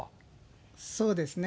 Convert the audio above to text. そうですね。